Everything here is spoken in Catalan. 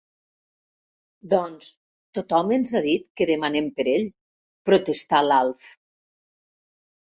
Doncs tothom ens ha dit que demanem per ell —protestà l'Alf.